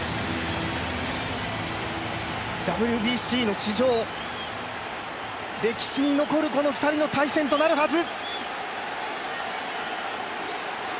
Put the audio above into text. ＷＢＣの史上、歴史に残るこの２人の対戦となるはず！